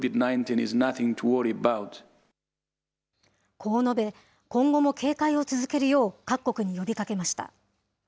こう述べ、今後も警戒を続けるよう、各国に呼びかけました。